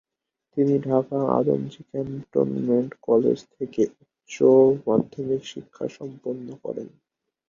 তিনি Dhaka Adamjee cantonment college থেকে উচ্চ মাধ্যমিক শিক্ষা সম্পন্ন করেন।